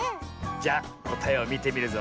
じゃあこたえをみてみるぞ。